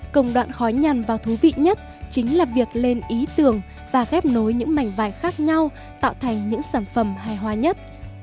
công đoạn khó nhằn và thú vị nhất chính là việc lên ý tưởng và ghép nối những mảnh vải khác nhau tạo thành những sản phẩm hài hòa nhất